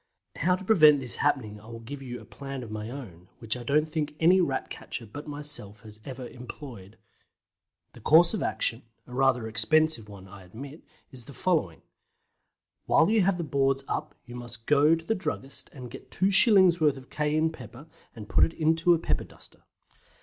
How to prevent this happening I will give you a plan of my own, which I don't think any Rat catcher but myself has ever employed. The course of action a rather expensive one I admit is the following: While you have the boards up you must go to the druggist and get two shillings' worth of cayenne pepper, and put it into a pepper duster.